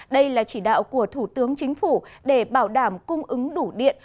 đây là chỉ đạo của thủ tướng chính phủ để bảo đảm cung ứng đủ điện